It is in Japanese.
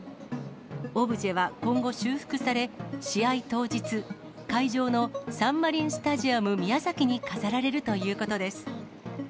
オブジェは、今後修復され、試合当日、会場のサンマリンスタジアム宮崎に飾られるということです。